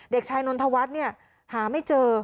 เด็กชายนนทวัฒน์หาไม่เจอ